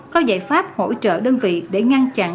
có giải pháp hỗ trợ đơn vị để ngăn chặn